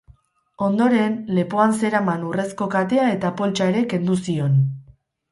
Ondoren, lepoan zeraman urrezko katea eta poltsa ere kendu zion.